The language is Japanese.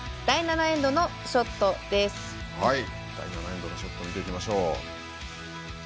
第７エンドのショット見ていきましょう。